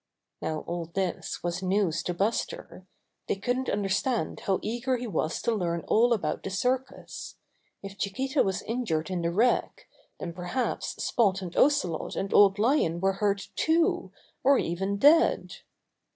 Now all this was news to Buster. They couldn't understand how eager he was to learn all about the circus. If Chiquita was injured in the wreck, then perhaps Spot and Ocelot and Old Lion were hurt, too, or even dead.